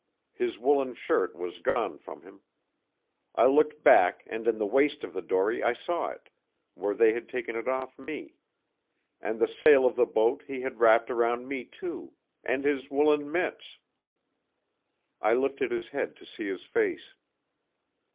His woollen shirt was gone from him. I looked back and in the waist of the dory I saw it, where they had taken it off me; and the sail of the boat he had wrapped around me, too; and his woollen mitts. I lifted his head to see his face.